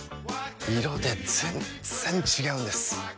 色で全然違うんです！